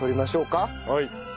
はい。